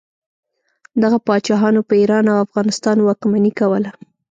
دغه پاچاهانو په ایران او افغانستان واکمني کوله.